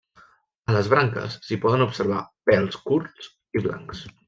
A les branques s'hi poden observar pèls curts i blancs.